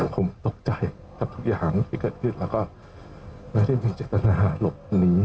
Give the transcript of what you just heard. ผมตกใจกับทุกอย่างที่เกิดขึ้นแล้วก็ไม่ได้มีเจตนาหลบหนี